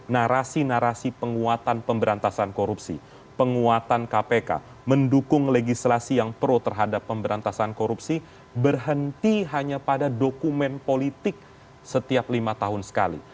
narasi narasi penguatan pemberantasan korupsi penguatan kpk mendukung legislasi yang pro terhadap pemberantasan korupsi berhenti hanya pada dokumen politik setiap lima tahun sekali